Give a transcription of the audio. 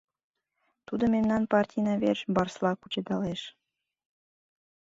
Тудо мемнан партийна верч барсла кучедалеш.